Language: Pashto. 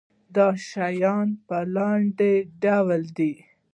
دا شیان په لاندې ډول دي.